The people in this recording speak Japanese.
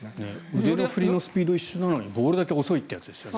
腕の振りのスピードが一緒なのにボールだけ遅いというやつですよね。